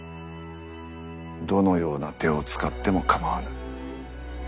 どのような手を使っても構わぬ。